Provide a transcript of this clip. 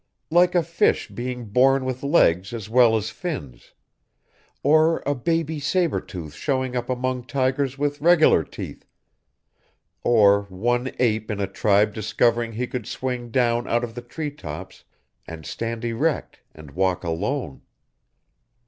like a fish being born with legs as well as fins, or a baby saber tooth showing up among tigers with regular teeth, or one ape in a tribe discovering he could swing down out of the treetops and stand erect and walk alone."